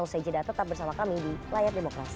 usai jeda tetap bersama kami di layar demokrasi